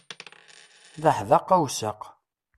D aḥdaq awsaq.